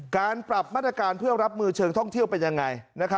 การปรับมาตรการเพื่อรับมือเชิงท่องเที่ยวเป็นยังไง